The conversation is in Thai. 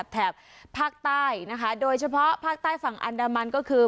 แถบภาคใต้นะคะโดยเฉพาะภาคใต้ฝั่งอันดามันก็คือ